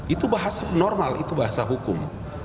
itu bahasa normal itu bahasa hukum